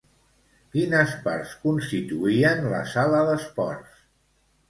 Quines parts constituïen la sala d'esports?